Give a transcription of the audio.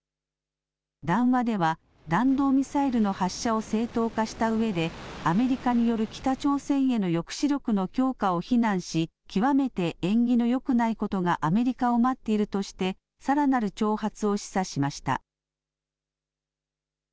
談話では、弾道ミサイルの発射を正当化したうえで、アメリカによる北朝鮮への抑止力の強化を非難し、極めて縁起のよくないことがアメリカを待っているとして、さらなる挑発を示唆しました。